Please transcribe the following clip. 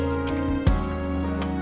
mbak catherine kita mau ke rumah